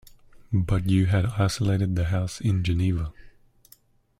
But you had isolated the house in Geneva.